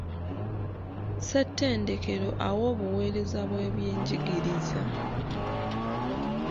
Ssetendekero awa obuweereza bw'ebyenjigiriza.